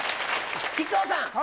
木久扇さん。